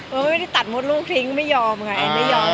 ไม่ได้ตัดมดลูกทิ้งไม่ยอมค่ะแอนไม่ยอม